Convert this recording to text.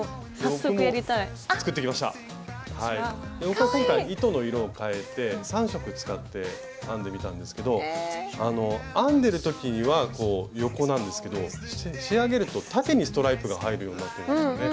僕は今回糸の色を変えて３色使って編んでみたんですけど編んでる時には横なんですけど仕上げると縦にストライプが入るようになってるんですよね。